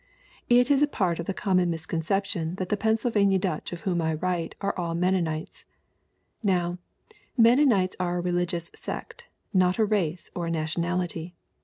"It is a part of the common misconception that the Pennsylvania Dutch of whom I write are all Men nonites. Now, Mennonites are a religious sect, not a race or a nationality!